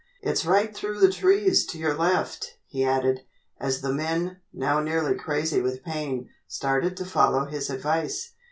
It's right through the trees to your left," he added, as the men, now nearly crazy with pain, started to follow his advice.